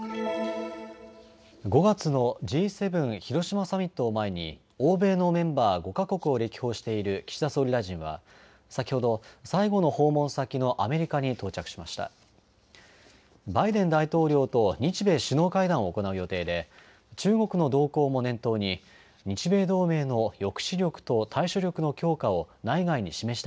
５月のＧ７広島サミットを前に欧米のメンバー５か国を歴訪している岸田総理大臣は先ほど最後の訪問先のアメリカに到着しました。